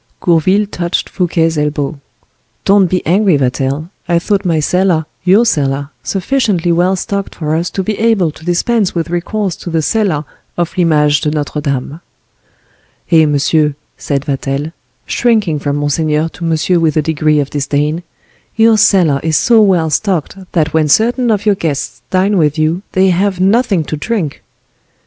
Gourville touched Fouquet's elbow. "Don't be angry, Vatel; I thought my cellar—your cellar—sufficiently well stocked for us to be able to dispense with recourse to the cellar of L'Image de Notre Dame." "Eh, monsieur," said Vatel, shrinking from monseigneur to monsieur with a degree of disdain: "your cellar is so well stocked that when certain of your guests dine with you they have nothing to drink."